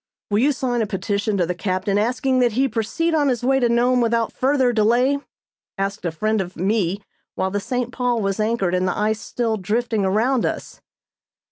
"Will you sign a petition to the captain asking that he proceed on his way to Nome without further delay?" asked a friend of me while the "St. Paul" was anchored and the ice still drifting around us.